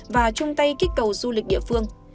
và chung tay kích cầu du lịch địa phương